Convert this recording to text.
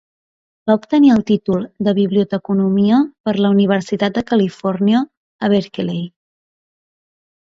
Va obtenir el títol de Biblioteconomia per la Universitat de Califòrnia a Berkeley.